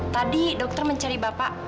tadi dokter mencari bapak